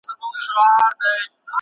نن دې خپل ټول کارونه خلاص کړه.